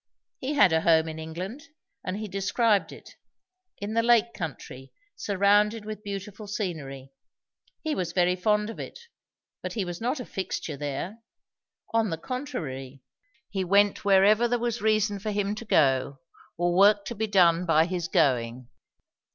He had a home in England, and he described it; in the Lake country, surrounded with beautiful scenery. He was very fond of it, but he was not a fixture there; on the contrary, he went wherever there was reason for him to go, or work to be done by his going.